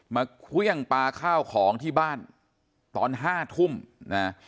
มาเครื่องปลาข้าวของที่บ้านตอนห้าทุ่มนะ